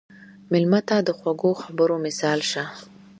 مېلمه ته د خوږو خبرو مثال شه.